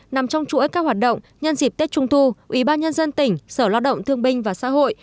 nằm trong chuỗi các hoạt động nhân dịp tết trung thu ủy ban nhân dân tỉnh sở lao động thương binh và xã hội